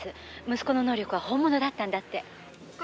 「息子の能力が本物だったんだって」